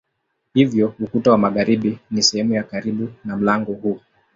Hivyo ukuta wa magharibi ni sehemu ya karibu na mlango huu.